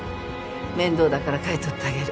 面倒だから買い取ってあげる。